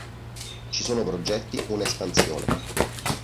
Ci sono progetti una espansione.